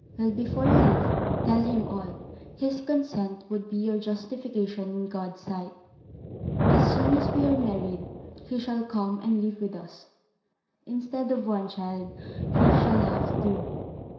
Well, before you leave, tell him all; his consent would be your justification in God's sight. As soon as we are married, he shall come and live with us, instead of one child, he shall have two.